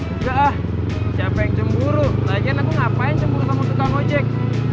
udah lah siapa yang cemburu lagi kan aku ngapain cemburu sama kutanggoyek